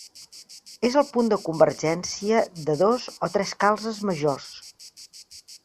És el punt de convergència de dos o tres calzes majors.